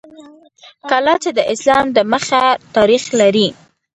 کلا چې د اسلام د مخه تاریخ لري